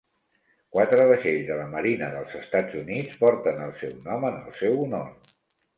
Quatre vaixells de la Marina dels Estats Units porten el seu nom en el seu honor.